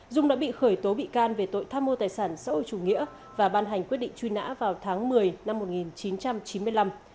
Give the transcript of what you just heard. dung đã bị khởi tố bị can về tội tham mô tài sản xã hội chủ nghĩa và ban hành quyết định truy nã vào tháng một mươi năm một nghìn chín trăm chín mươi năm